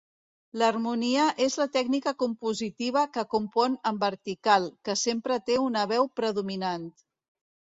L'harmonia és la tècnica compositiva que compon en vertical, que sempre té una veu predominant.